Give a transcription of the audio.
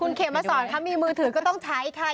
คุณเขมมาสอนค่ะมีมือถือก็ต้องใช้ค่ะ